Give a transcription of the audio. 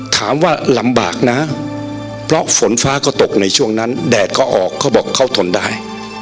ถามว่าลำบากนะเพราะฝนฟ้าก็ตกในช่วงนั้นแดดก็ออกเขาบอกเขาทนได้